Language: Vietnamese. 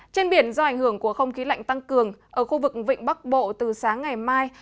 trên biển do ảnh hưởng của không khí lạnh tăng cường ở khu vực vịnh bắc bộ từ sáng ngày mai